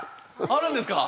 あるんですか？